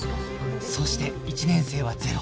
そして１年生はゼロ